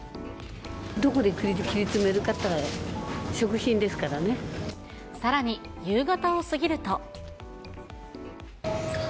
どこで切り詰めるかっていっさらに、夕方を過ぎると。